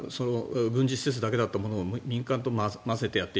軍事施設だけだったものを民間と混ぜてやる。